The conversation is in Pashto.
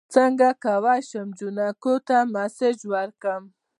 څنګه کولی شم جینکو ته میسج ورکړم